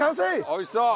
おいしそう。